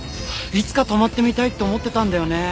いつか泊まってみたいって思ってたんだよね。